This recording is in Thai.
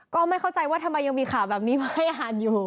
ก็ไม่เข้าใจว่าทำไมยังมีข่าวแบบนี้มาให้อ่านอยู่